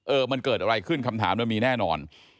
เออมันเกิดอะไรขึ้นคำถามมันมีแน่นอน